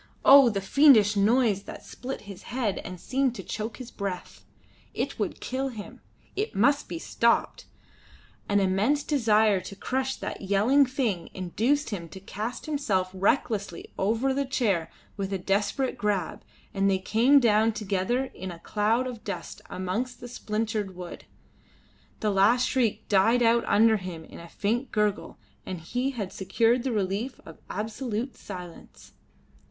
"Oh! the fiendish noise that split his head and seemed to choke his breath. It would kill him. It must be stopped!" An insane desire to crush that yelling thing induced him to cast himself recklessly over the chair with a desperate grab, and they came down together in a cloud of dust amongst the splintered wood. The last shriek died out under him in a faint gurgle, and he had secured the relief of absolute silence.